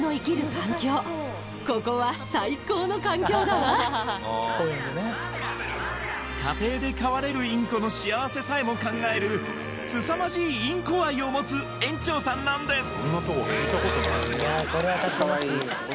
いわばインコフライインコフライさえも考えるすさまじいインコ愛を持つ園長さんなんです